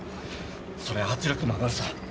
そりゃ圧力も上がるさ。